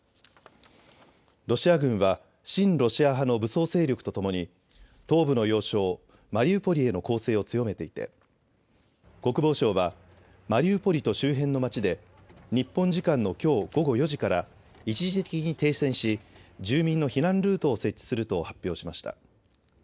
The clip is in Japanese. ロシア軍は親ロシア派の武装勢力と共に東部の要衝マリウポリへの攻勢を強めていて国防相はマリウポリと周辺の町で日本時間のきょう午後４時から一時的に停戦し住民の避難ルートを設置すると発表しました。